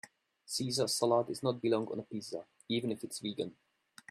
Caesar salad does not belong on a pizza even if it is vegan.